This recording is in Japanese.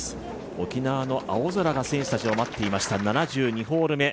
沖縄の青空が選手たちを待っていました、７２ホール目。